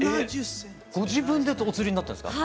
ご自分でお釣りになったんですか？